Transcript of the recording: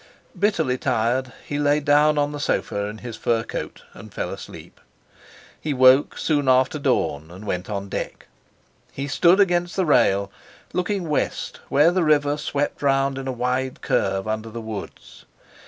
Bitterly tired, he lay down on the sofa in his fur coat and fell asleep. He woke soon after dawn and went on deck. He stood against the rail, looking west where the river swept round in a wide curve under the woods.